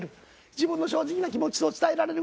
自分の正直な気持ちを伝えられる。